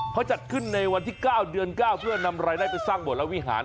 เพราะจัดขึ้นในวันที่เก้าเดือนเก้าเพื่อนนำรายได้ไปสร้างบทลวิหาร